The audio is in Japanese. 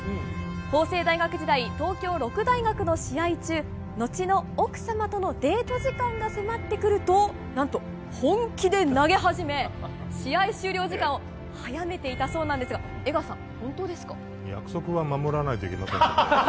法政大学時代東京六大学の試合中後の奥様とのデート時間が迫ってくると何と、本気で投げ始め試合終了時間を早めていたそうですが約束は守らないといけないですよね。